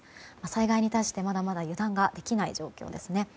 災害に対してまだまだ油断できない状況です。